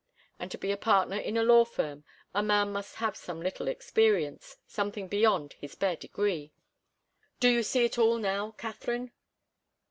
And to be a partner in a law firm, a man must have some little experience something beyond his bare degree. Do you see it all now, Katharine?"